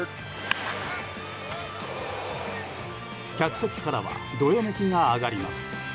客席からはどよめきが上がります。